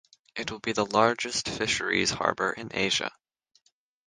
It will be the largest fisheries harbour in Asia.